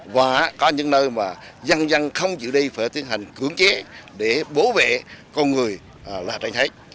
và có những nơi mà dân dân không chịu đi phải tiến hành cưỡng chế để bảo vệ con người là tranh thách